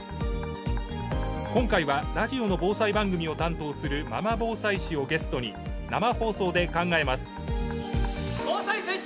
今回はラジオの防災番組を担当するママ防災士をゲストに考えます。